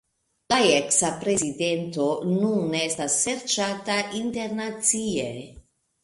La eksa prezidento nun estas serĉata internacie.